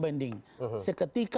jangan dipingarning seketika